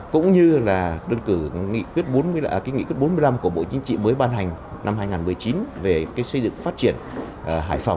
cũng như là đơn cử nghị quyết bốn mươi năm của bộ chính trị mới ban hành năm hai nghìn một mươi chín về xây dựng phát triển hải phòng